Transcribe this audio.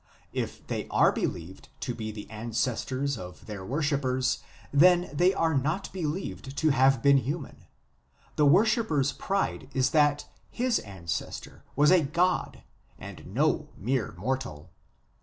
If they are believed to be the ancestors of their worshippers, then they are not believed to have been human l : the worshipper s pride is that his ancestor was a god and no mere mortal.